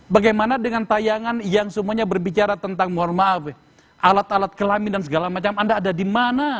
bagaimana dengan tayangan yang semuanya berbicara tentang mohon maaf ya alat alat kelamin dan segala macam anda ada di mana